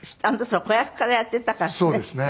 子役からやっていたからね。